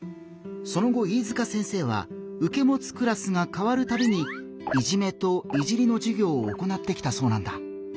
その後飯塚先生はうけもつクラスが変わるたびに「いじめ」と「いじり」のじゅぎょうを行ってきたそうなんだ。